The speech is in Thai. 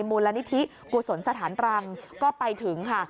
มูลนิธิกุศลสถานตรังก็ไปถึงค่ะ